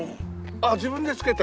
あっ自分でつけて。